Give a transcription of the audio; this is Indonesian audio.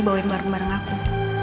bawain bareng bareng aku